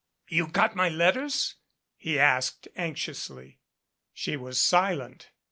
"You got my letters?" he asked anxiously. She was silent.